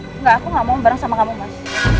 enggak aku gak mau bareng sama kamu mas